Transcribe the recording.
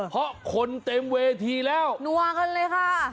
เพราะคนเต็มเวทีแล้วนัวกันเลยค่ะ